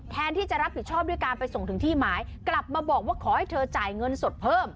แทนที่จะรับผิดชอบด้วยการไปส่งถึงที่หมายกลับมาบอกว่าขอให้เธอจ่ายเงินสดเพิ่ม